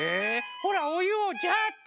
ほらおゆをジャーッて！